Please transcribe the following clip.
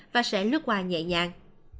và sẽ lướt qua nhẹ nhàng